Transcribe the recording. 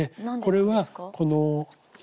これはこの。